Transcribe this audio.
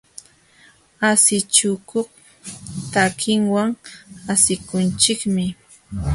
Asichikuq takiwan asikunchikmi.